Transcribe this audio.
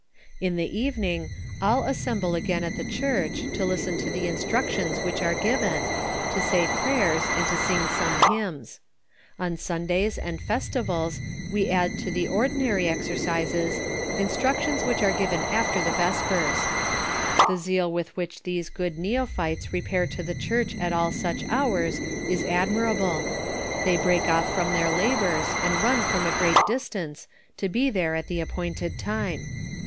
" In the evening, all assemble again at the ohurcli, to listen to the instrueUona which are giveri, to say prnynrs, and to sing some hymnsi, On Sundays and festivals we add to the ordinary exorcises, instructions which are given after the vespers. The zeal with which those good neophytes repair to the church at all such hours is admirable : thoy break off from their labors, and run from • great distance, to be there at the appointed time.